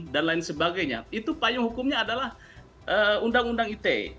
dan lain sebagainya itu payung hukumnya adalah undang undang ite